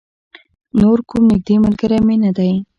نور کوم نږدې ملگری مې نه دی.